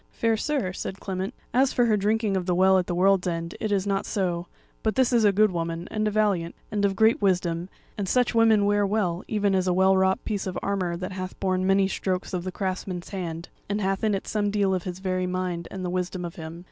"Fair sir," said Clement, "as for her drinking of the Well at the World's End, it is not so; but this is a good woman, and a valiant, and of great wisdom; and such women wear well, even as a well wrought piece of armour that hath borne many strokes of the craftsman's hand, and hath in it some deal of his very mind and the wisdom of him.